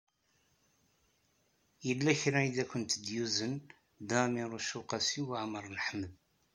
Yella kra i akent-id-yuzen Dda Ɛmiiruc u Qasi Waɛmer n Ḥmed.